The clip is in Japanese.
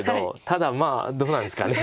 ただまあどうなんですか。